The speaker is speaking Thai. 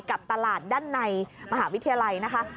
กับตลาดด้านในมหาวิทยาลัยนะคะ